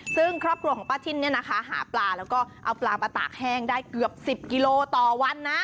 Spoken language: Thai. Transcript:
ซึ่งครอบครัวของป้าทินเนี่ยนะคะหาปลาแล้วก็เอาปลามาตากแห้งได้เกือบ๑๐กิโลต่อวันนะ